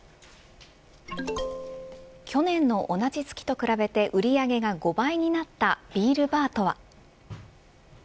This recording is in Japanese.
去年の同じ月と比べて売り上げが５倍になったビールバーとは。